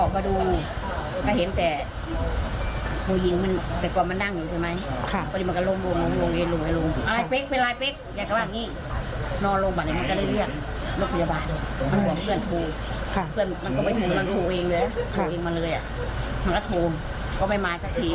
มันก็ตอบไฟงึงมาเลยอะขังกระทอมก็ไม่มาจากที